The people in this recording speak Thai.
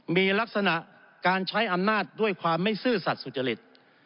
มีลักษณะการใช้อำนาจด้วยความไม่ซื่อสัตว์สุจริต